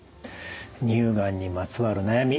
乳がんにまつわる悩み